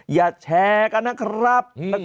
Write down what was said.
อย่าแชร์กันนะครับ